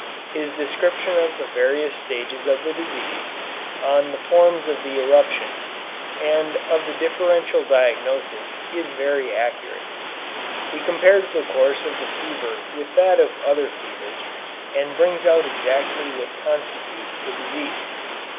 His description of the various stages of the disease, of the forms of the eruption, and of the differential diagnosis, is very accurate. He compares the course of the fever with that of other fevers, and brings out exactly what constitutes the disease.